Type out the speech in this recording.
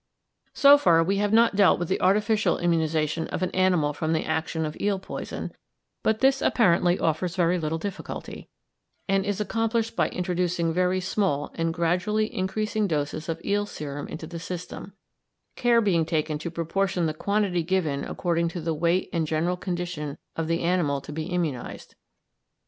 So far we have not dealt with the artificial immunisation of an animal from the action of eel poison, but this apparently offers very little difficulty, and is accomplished by introducing very small and gradually increasing doses of eel serum into the system, care being taken to proportion the quantity given according to the weight and general condition of the animal to be immunised.